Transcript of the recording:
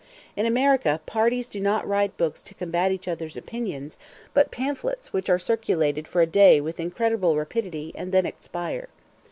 In America, parties do not write books to combat each others' opinions, but pamphlets which are circulated for a day with incredible rapidity, and then expire.